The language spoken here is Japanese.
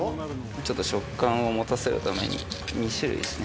ちょっと食感を持たせるために２種類ですね。